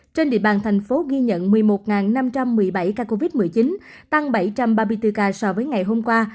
trên địa bàn thành phố ghi nhận một mươi một năm trăm một mươi bảy ca covid một mươi chín tăng bảy trăm ba mươi bốn ca so với ngày hôm qua